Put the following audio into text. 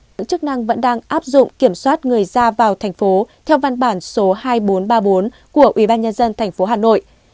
cơ quan chức năng vẫn đang áp dụng kiểm soát người ra vào thành phố theo văn bản số hai nghìn bốn trăm ba mươi bốn của ủy ban nhân dân thành phố hà nội